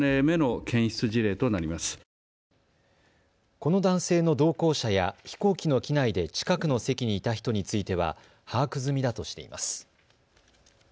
この男性の同行者や飛行機の機内で近くの席にいた人については把握済みだとしています。